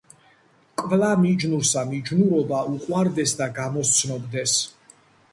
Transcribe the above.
კვლა მიჯნურსა მიჯნურობა უყვარდეს და გამოსცნობდეს,